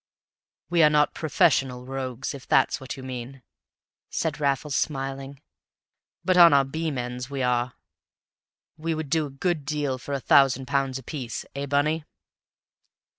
"We are not professional rogues, if that's what you mean," said Raffles, smiling. "But on our beam ends we are; we would do a good deal for a thousand pounds apiece, eh, Bunny?"